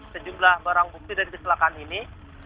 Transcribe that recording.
sejumlah barang bukti dari kecelakaan ini